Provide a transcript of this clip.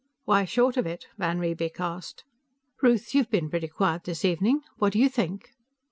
"Why short of it?" van Riebeek asked. "Ruth, you've been pretty quiet this evening. What do you think?"